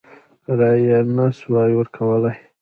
رایه یې نه سوای ورکولای.